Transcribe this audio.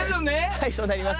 はいそうなります。